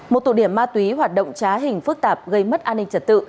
một tụ điểm ma túy hoạt động trá hình phức tạp gây mất an ninh trật tự